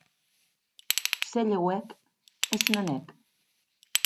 Se lheuèc e se n'anèc.